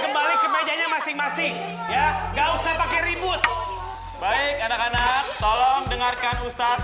kembali ke mejanya masing masing ya nggak usah pakai ribut baik anak anak tolong dengarkan ustadz